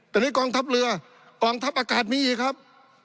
แต่นี่กองทัพเรือกองทัพอากาศมีอีกครับ